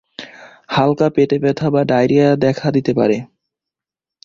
হালকা পেটে ব্যাথা বা ডায়রিয়া দেখা দিতে পারে।